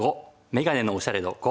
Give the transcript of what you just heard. ５眼鏡のおしゃれ度５。